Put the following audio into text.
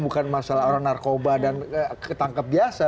bukan masalah orang narkoba dan ketangkep biasa